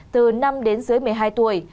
từ năm đến dưới một mươi hai tuổi